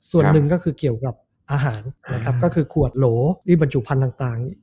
ส่วนหนึ่งก็คือเกี่ยวกับอาหารนะครับก็คือขวดโหลที่บรรจุพันธุ์ต่าง